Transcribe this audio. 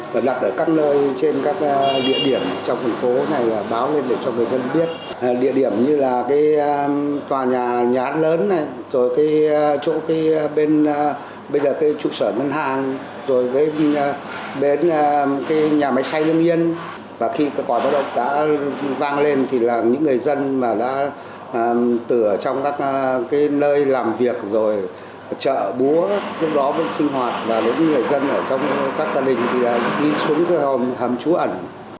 và khi cái quả bất động đã vang lên thì là những người dân mà đã tử ở trong các cái nơi làm việc rồi chợ búa lúc đó vẫn sinh hoạt và những người dân ở trong các gia đình thì đã đi xuống cái hầm trú ẩn